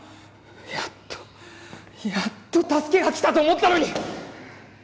やっとやっと助けが来たと思ったのに！